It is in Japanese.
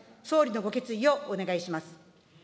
総理のご決意をお願いします。